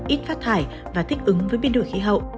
ít phát thải và thích ứng với biến đổi khí hậu